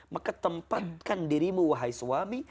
maka tempatkan dirimu wahai suami